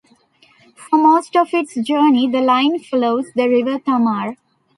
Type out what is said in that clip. For most of its journey the line follows the River Tamar.